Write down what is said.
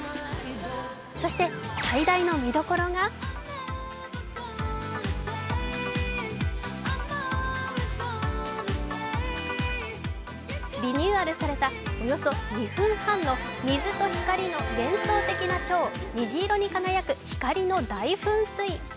そして最大の見どころがリニューアルされたおよそ２分半の水と光の現象的なショー虹色に輝く光の大噴水。